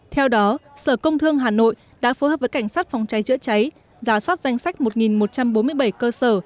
theo đó sở công thương hà nội đã phối hợp với cảnh sát phòng cháy chữa cháy giả soát danh sách một một trăm bốn mươi bảy cơ sở